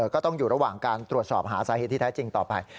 ก็ต้องอยู่ระหว่างการตรวจสอบหาสาเหตุที่แท้จริงต่อไป